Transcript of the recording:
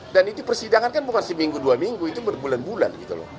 dan itu persidangan kan bukan seminggu dua minggu itu berbulan bulan